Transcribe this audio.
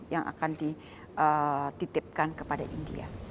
yang akan dititipkan kepada india